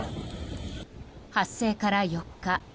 発生から４日。